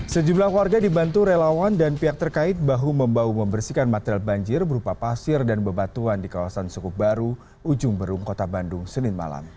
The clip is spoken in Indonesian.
sejumlah warga dibantu relawan dan pihak terkait bahu membahu membersihkan material banjir berupa pasir dan bebatuan di kawasan sukup baru ujung berung kota bandung senin malam